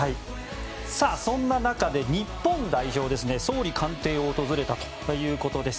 そんな中で、日本代表が総理官邸を訪れたということです。